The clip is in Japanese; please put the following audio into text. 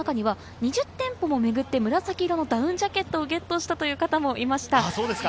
紫色のダウンジャケットをゲットしたという方もいました。